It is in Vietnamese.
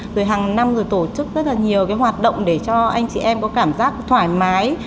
rồi hàng năm tổ chức rất nhiều hoạt động để cho anh chị em có cảm giác thoải mái